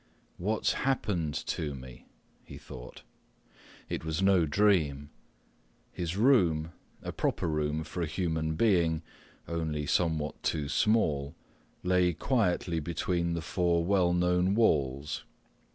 "What's happened to me," he thought. It was no dream. His room, a proper room for a human being, only somewhat too small, lay quietly between the four well known walls.